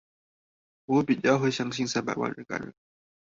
我比較會相信三百萬人感染